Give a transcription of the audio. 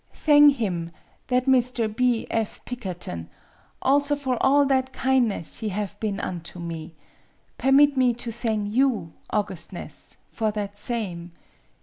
" Thang him that Mr. B. F. Pikkerton also for all that kineness he have been unto me. Permit me to thang you, augustness, for that same.